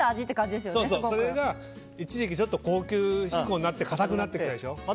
それが、一時期ちょっと高級志向で固くなってきたでしょ。